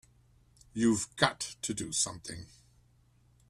You've got to do something!